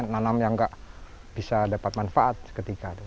nanam yang gak bisa dapat manfaat seketika itu